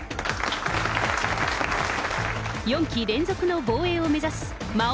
４期連続の防衛を目指す魔王